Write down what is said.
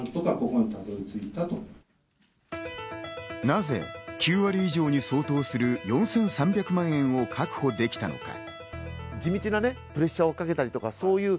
なぜ９割以上に相当する４３００万円を確保できたのか？